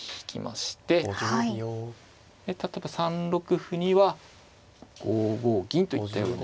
で例えば３六歩には５五銀といったように。